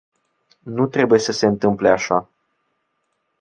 Nu trebuie să se întâmple așa.